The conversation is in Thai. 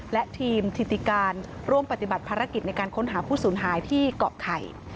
และทีมถิติการร่วมปฏิบัติภารกิจในการค้นหาผู้สูญหายที่เกาะไข่